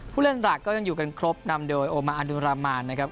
ผู้เล่นหลักก็ยังอยู่กันครบนำโดยโอมาอนุรามานนะครับ